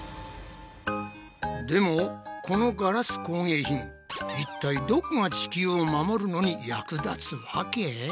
でもこのガラス工芸品いったいどこが地球を守るのに役立つわけ？